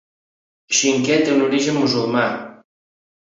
Xinquer té un origen musulmà.